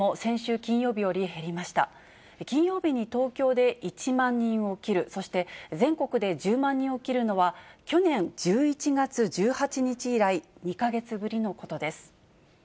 金曜日に東京で１万人を切る、そして全国で１０万人を切るのは去年１１月１８日以来、２か月ぶりのことです。